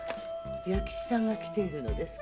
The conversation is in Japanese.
弥吉さんが来ているのですか？